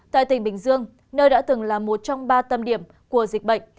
tại tỉnh bình dương nơi đã từng là một trong ba tâm điểm của dịch bệnh